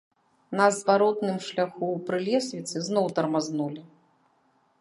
На зваротным шляху пры лесвіцы зноў тармазнулі.